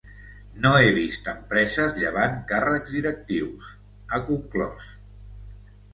No he vist empreses llevant càrrecs directius, ha conclòs.